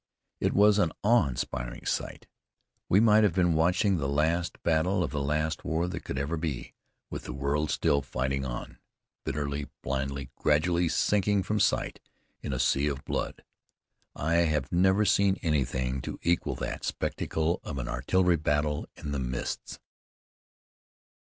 It was an awe inspiring sight. We might have been watching the last battle of the last war that could ever be, with the world still fighting on, bitterly, blindly, gradually sinking from sight in a sea of blood. I have never seen anything to equal that spectacle of an artillery battle in the mists.